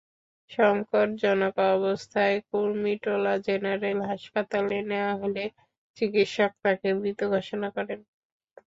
সংকটজনক অবস্থায় কুর্মিটোলা জেনারেল হাসপাতালে নেওয়া হলে চিকিৎসক তাঁকে মৃত ঘোষণা করেন।